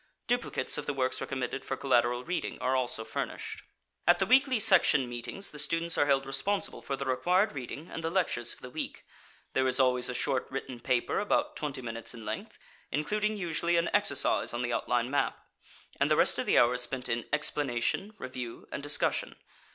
Duplicates of the works recommended for collateral reading are also furnished. At the weekly section meetings the students are held responsible for the required reading and the lectures for the week. There is always a short written paper about twenty minutes in length, including usually an exercise on the outline map, and the rest of the hour is spent in explanation, review and discussion.